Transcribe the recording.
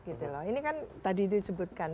gitu loh ini kan tadi disebutkan